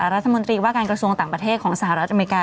รัฐมนตรีว่าการกระทรวงต่างประเทศของสหรัฐอเมริกา